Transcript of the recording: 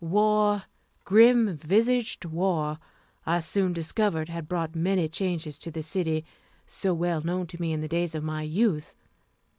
War, grim visaged war, I soon discovered had brought many changes to the city so well known to me in the days of my youth.